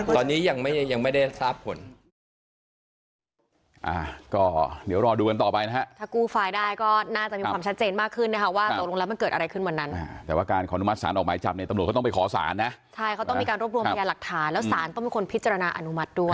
ตอนนี้ยังไม่ได้ทราบผล